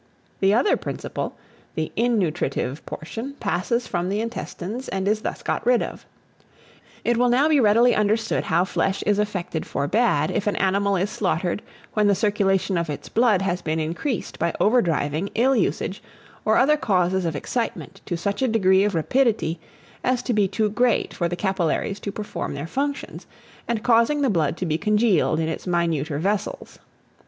The other principle the innutritive portion passes from the intestines, and is thus got rid of. It will now be readily understood how flesh is affected for bad, if an animal is slaughtered when the circulation of its blood has been increased by over driving, ill usage, or other causes of excitement, to such a degree of rapidity as to be too great for the capillaries to perform their functions, and causing the blood to be congealed in its minuter vessels.